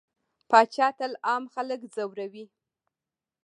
پاچا تل عام خلک ځوروي.